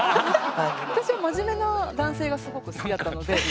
私は真面目な男性がすごく好きだったので。